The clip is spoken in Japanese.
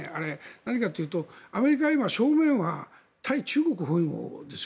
何かというとアメリカの正面は対中国包囲網ですよ。